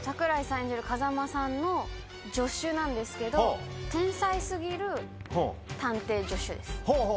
演じる風真さんの助手なんですけど、天才すぎる探偵助手です。